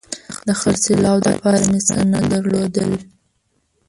د خرڅلاو دپاره مې څه نه درلودل